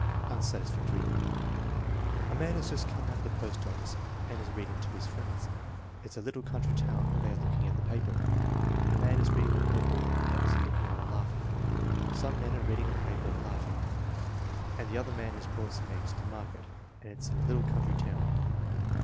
Unsatisfactory. "A man has just come out of the post office and is reading to his friends." "It's a little country town and they are looking at the paper." "A man is reading the paper and the others are looking on and laughing." "Some men are reading a paper and laughing, and the other man has brought some eggs to market, and it's in a little country town."